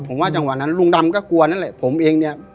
ผมว่าจังหวะนั้นลุงดำก็กลัวนั่นแหละผมเองเนี่ย